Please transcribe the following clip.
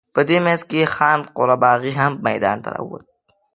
په دې منځ کې خان قره باغي هم میدان ته راووت.